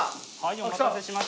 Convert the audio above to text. お待たせしました。